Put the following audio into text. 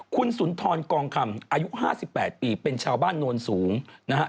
คุณสุนทรกองคำอายุ๕๘ปีเป็นชาวบ้านโนนสูงนะฮะ